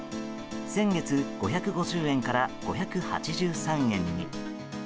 先月、５５０円から５８３円に。